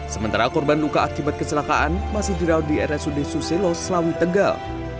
sementara korban luka akibat kecelakaan masih dirawat di rsud suselo selawi tegal